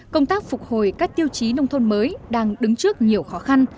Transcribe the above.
công tác phục hồi các tiêu chí nông thôn mới đang đứng trước nhiều khó khăn